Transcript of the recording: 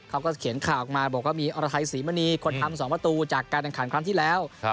เขาก็เขียนข่าวออกมาบอกว่ามีอรไทยศรีมณีคนทำ๒ประตูจากการแข่งขันครั้งที่แล้ว